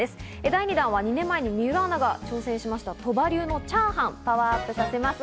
第２弾は２年前に水卜アナが挑戦した鳥羽流のチャーハンをパワーアップさせます。